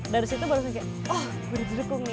dari situ baru kayak oh berduduk kok nih